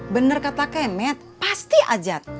benar kata kemet pasti ajat